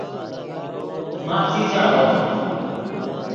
ماف چی چاغوف